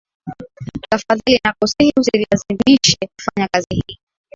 Tafadhali nakusihi usinilazimishe kufanya kazi hii